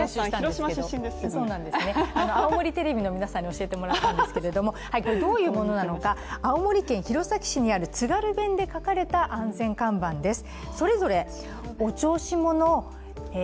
そうです、青森テレビの皆さんに教えてもらったんですけどどういうことなのか、青森県にある津軽弁で書かれた安全看板です。